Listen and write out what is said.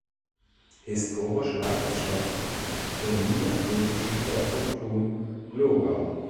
Historisch lag das Schloss im niederschlesischen Herzogtum Glogau.